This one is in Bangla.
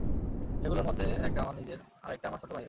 সেগুলোর মধ্যে একটা আমার নিজের, আরেকটা আমার ছোট ভাইয়ের।